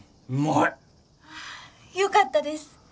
うわあよかったです！